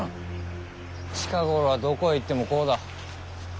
近頃はどこへ行ってもこうだ。